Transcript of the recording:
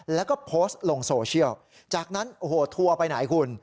แล้วก็โพสต์ลงโซเชียลจากนั้นโอ้โหทัวร์ไปไหนคุณ